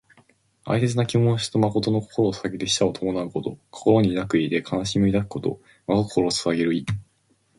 哀切な気持ちと誠の心をささげて死者を弔うこと。「銜」は心に抱く意で、「銜哀」は哀しみを抱くこと、「致誠」は真心をささげる意。人の死を悼む時に用いる語。「哀を銜み誠を致す」とも読む。